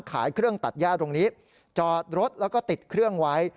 ขายเครื่องตัดย่าตรงนี้จอดรถแล้วก็ติดเครื่องไว้